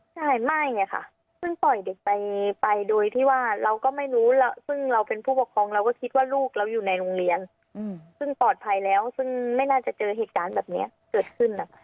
ใช่ไม่ค่ะซึ่งปล่อยเด็กไปโดยที่ว่าเราก็ไม่รู้ซึ่งเราเป็นผู้ปกครองเราก็คิดว่าลูกเราอยู่ในโรงเรียนซึ่งปลอดภัยแล้วซึ่งไม่น่าจะเจอเหตุการณ์แบบนี้เกิดขึ้น